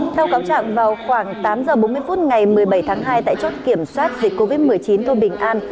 theo cáo chẳng vào khoảng tám h bốn mươi phút ngày một mươi bảy tháng hai tại chốt kiểm soát dịch covid một mươi chín thu bình an